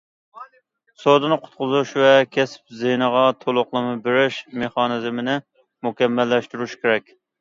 سودىنى قۇتقۇزۇش ۋە كەسىپ زىيىنىغا تولۇقلىما بېرىش مېخانىزمىنى مۇكەممەللەشتۈرۈش كېرەك.